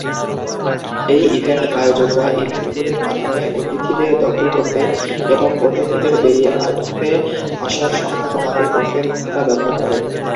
এই ইভেন্ট আয়োজকরা ইভেন্টগুলির মাধ্যমে অতিথিদের দখল করতে এবং অতিথিদের দেরিতে আসার সংখ্যা কমাতে ককটেল ঘণ্টা ব্যবহার করে।